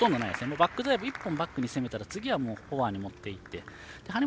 バックドライブ１本バックに攻めたら次はもうフォアに持っていって張本